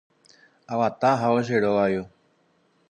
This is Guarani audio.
Aguata ahávo che róga gotyo.